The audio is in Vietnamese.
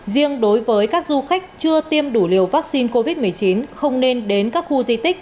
riêng đối với các du khách chưa tiêm đủ liều vaccine covid một mươi chín không nên đến các khu di tích